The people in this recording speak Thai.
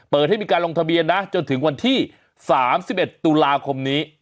ให้มีการลงทะเบียนนะจนถึงวันที่๓๑ตุลาคมนี้